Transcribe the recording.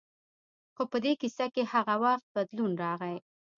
خو په دې کیسه کې هغه وخت بدلون راغی.